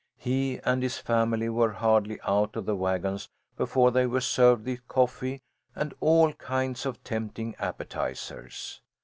He and his family were hardly out of the wagon before they were served with coffee and all kinds of tempting appetizers.